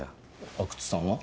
阿久津さんは？